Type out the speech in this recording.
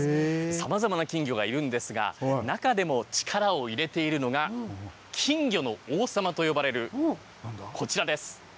さまざまな金魚がいるんですが、中でも力を入れているのが、金魚の王様と呼ばれるこちらです。